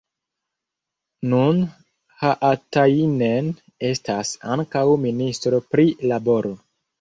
Nun Haatainen estas ankaŭ ministro pri laboro.